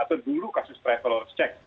atau dulu kasus travel laws cek